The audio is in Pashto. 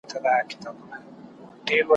بد بویي وه که سهار وو که ماښام وو ,